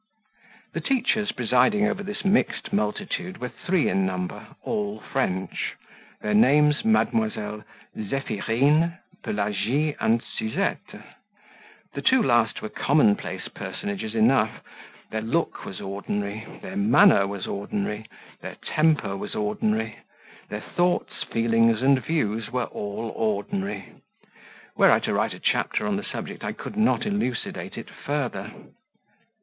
The teachers presiding over this mixed multitude were three in number, all French their names Mdlles. Zephyrine, Pelagie, and Suzette; the two last were commonplace personages enough; their look was ordinary, their manner was ordinary, their temper was ordinary, their thoughts, feelings, and views were all ordinary were I to write a chapter on the subject I could not elucidate it further.